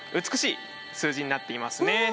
美しい数字になっていますね。